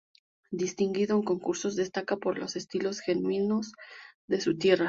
Distinguido en concursos, destaca por los estilos genuinos de su tierra.